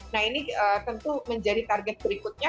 nah ini tentu menjadi target berikutnya